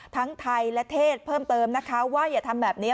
ทั้งไทยและเทศเพิ่มเติมนะคะว่าอย่าทำแบบนี้